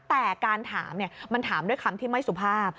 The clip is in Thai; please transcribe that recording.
แต่การถามมันถามด้วยคำที่ไม่สุภาพ